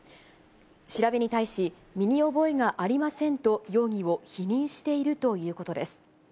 調べに対し、身に覚えがありませんと容疑を否認しているということです。